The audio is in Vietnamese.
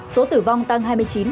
số tử vong tăng hai mươi chín bốn